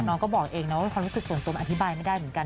น้องก็บอกเองนะว่าความรู้สึกส่วนตัวมันอธิบายไม่ได้เหมือนกัน